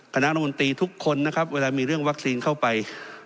คณะมนตรีทุกคนเวลามีเรื่องวัคซีนเข้าไป